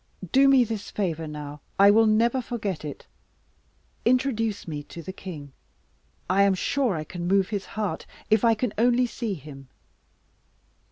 Do me this favour now; I will never forget it. Introduce me to the king. I am sure I can move his heart, if I can only see him."